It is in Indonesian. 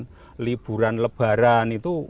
misalnya pada saat liburan anak sekolah liburan akhir tahun